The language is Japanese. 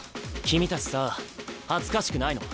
君たちさ恥ずかしくないの？